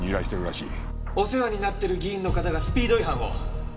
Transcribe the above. お世話になってる議員の方がスピード違反を。